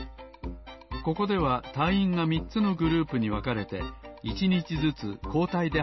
ここではたいいんが３つのグループにわかれて１にちずつこうたいではたらいています